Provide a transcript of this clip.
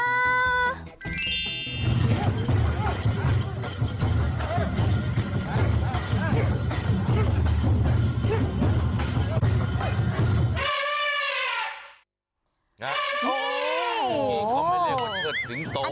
โอ้โหเขาไม่เรียกว่าเชิดสิงโต